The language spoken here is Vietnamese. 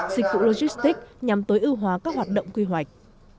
dịch vụ logistics nhằm tối ưu hóa các hoạt động quy hoạch